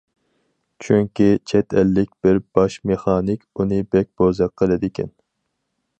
چۈنكى چەت ئەللىك بىر باش مېخانىك ئۇنى بەك بوزەك قىلىدىكەن.